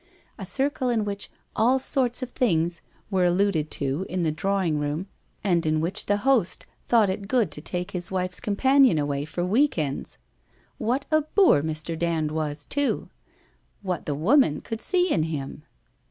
A circle in which ' all sorts of things ' were alluded to in the draw ing room, and in which the host thought it good to take his wife's companion away for week ends! What a boor Mr. Dand was, too ! "What the woman could see in him